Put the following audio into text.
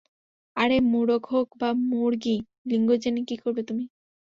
আরে মুরগ হোক বা মুরগি, লিঙ্গ জেনে কী করবে তুমি?